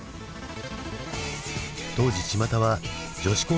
当時ちまたは女子高生ブーム。